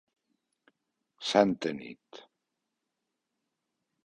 Santa Nit